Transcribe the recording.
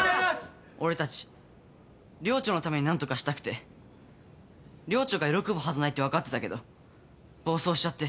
俺たち寮長のために何とかしたくて寮長が喜ぶはずないって分かってたけど暴走しちゃって。